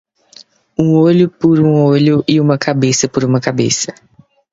"Um olho por um olho e uma cabeça por uma cabeça"